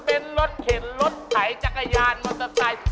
เป็นรถเข็นรถไถจักรยานมอเตอร์ไซค์